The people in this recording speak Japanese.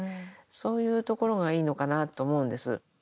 そういうところがいいのかなと思うんです。